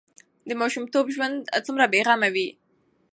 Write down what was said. د ماشومتوب ژوند څومره بې غمه وي.